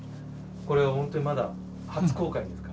これは本当にまだ初公開ですから。